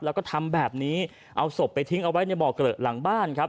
แล้วก็ทำแบบนี้เอาศพไปทิ้งเอาไว้ในบ่อเกลอะหลังบ้านครับ